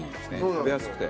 食べやすくて。